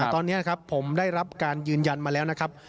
ตอนนี้นะครับผมได้รับการยืนยันมาแล้วนะครับ